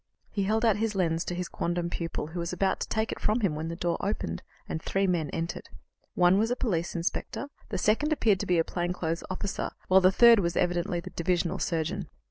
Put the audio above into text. He held out his lens to his quondam pupil, who was about to take it from him when the door opened, and three men entered. One was a police inspector, the second appeared to be a plain clothes officer, while the third was evidently the divisional surgeon.